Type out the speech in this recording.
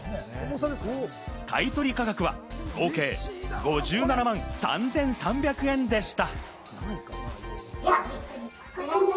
買い取り価格は合計５７万３３００円でした。